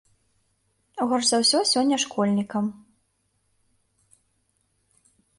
Горш за ўсё сёння школьнікам.